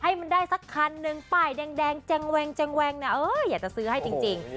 ให้มันได้สักคันหนึ่งป้ายแดงแจงนะเอออยากจะซื้อให้จริง